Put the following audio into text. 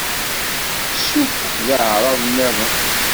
Sukk-d aεṛaḍ-nniḍen.